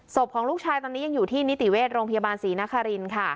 ศพของลูกชายตอนนี้ยังอยู่ที่นิติเวชโรงพยาบาลศรีนครินค่ะ